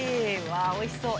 わぁ、おいしそう。